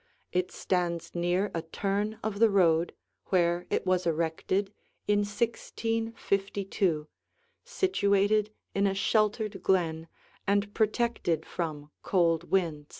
It stands near a turn of the road, where it was erected, in 1652, situated in a sheltered glen and protected from cold winds.